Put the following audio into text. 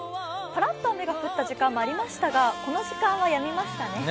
ぱらっと雨が降った時間もありましたが、この時間はやみましたね。